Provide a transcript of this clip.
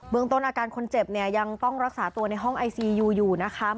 เมืองต้นอาการคนเจ็บเนี่ยยังต้องรักษาตัวในห้องไอซียูอยู่นะคะ